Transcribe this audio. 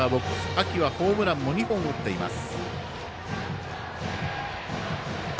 秋はホームランも２本、打っています。